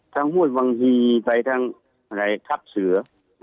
ทั้งพวกบางทีทั้งทัพเถอ